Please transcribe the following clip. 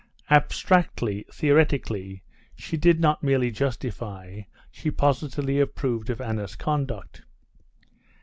Abstractly, theoretically, she did not merely justify, she positively approved of Anna's conduct.